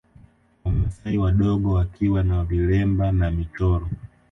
Wamasai wadogo wakiwa na vilemba na michoro